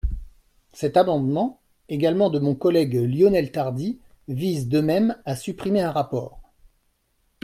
Cet amendement, également de mon collègue Lionel Tardy, vise, de même, à supprimer un rapport.